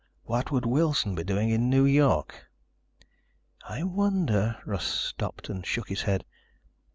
"What would Wilson be doing in New York?" "I wonder ..." Russ stopped and shook his head.